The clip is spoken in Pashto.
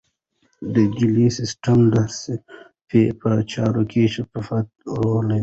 ډیجیټل سیستم د صرافۍ په چارو کې شفافیت راولي.